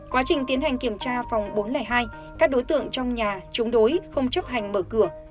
quá trình tiến hành kiểm tra phòng bốn trăm linh hai các đối tượng trong nhà chống đối không chấp hành mở cửa